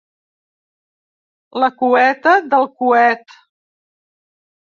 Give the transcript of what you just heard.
La cueta del coet.